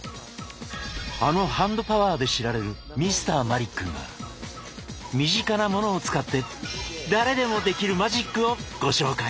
あのハンドパワーで知られるＭｒ．マリックが身近なものを使って誰でもできるマジックをご紹介。